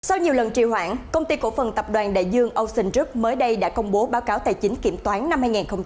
sau nhiều lần trì hoãn công ty cổ phần tập đoàn đại dương ocean gut mới đây đã công bố báo cáo tài chính kiểm toán năm hai nghìn hai mươi ba